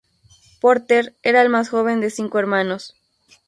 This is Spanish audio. Porter era el más joven de cinco hermanos.